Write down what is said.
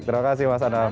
terima kasih mas anam